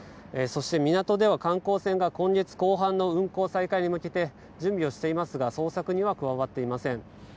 そして港では観光船が今月後半の運航再開に向けて準備をしていますが捜索には加わっていません。